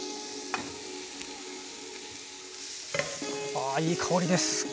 あいい香りです。